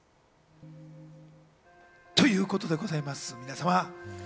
ということでございます、みなさま。